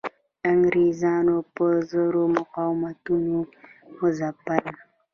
انګریزانو په زور مقاومتونه وځپل.